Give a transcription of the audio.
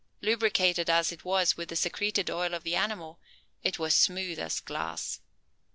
Lubricated as it was with the secreted oil of the animal, it was smooth as glass.